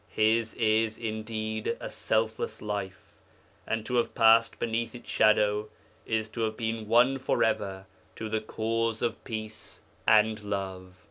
His is indeed a selfless life, and to have passed beneath its shadow is to have been won for ever to the Cause of Peace and Love.'